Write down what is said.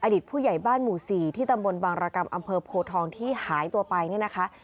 ผู้ใหญ่บ้านหมู่๔ที่ตำบลบางรกรรมอำเภอโพทองที่หายตัวไปเนี่ยนะคะ